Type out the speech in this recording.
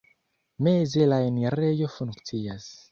Meze la enirejo funkcias.